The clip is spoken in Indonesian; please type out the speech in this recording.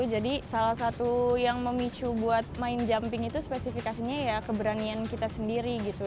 jadi salah satu yang memicu buat main jumping itu spesifikasinya ya keberanian kita sendiri gitu